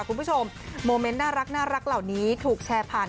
โมเมนต์น่ารักเหล่านี้ถูกแชร์ผ่าน